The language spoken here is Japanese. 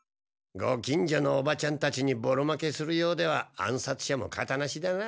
ご近所のおばちゃんたちにボロ負けするようでは暗殺者も形なしだな。